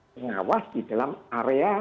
pengawas di dalam area